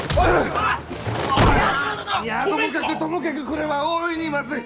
平八郎殿！いやともかくともかくこれは大いにまずい！